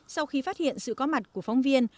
sau khi phát hiện sự có mặt của phóng viên